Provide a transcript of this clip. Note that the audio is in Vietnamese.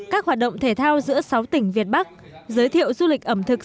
các hoạt động thể thao giữa sáu tỉnh việt bắc giới thiệu du lịch ẩm thực